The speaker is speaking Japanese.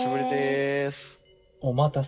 お待たせ。